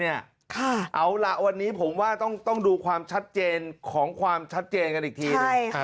เอาล่ะวันนี้ผมว่าต้องดูความชัดเจนของความชัดเจนกันอีกทีหนึ่ง